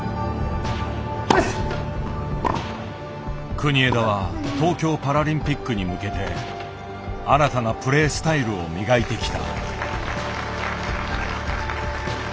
国枝は東京パラリンピックに向けて新たなプレースタイルを磨いてきた。